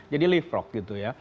jadi leapfrog gitu ya